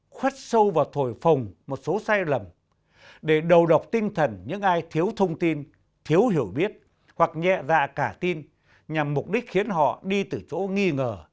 khuất sâu và thổi phồng một số sai lầm để đầu độc tinh thần những ai thiếu thông tin thiếu hiểu biết hoặc nhẹ dạ cả tin nhằm mục đích khiến họ đi từ chỗ nghi ngờ